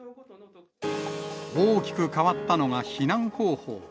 大きく変わったのが避難方法。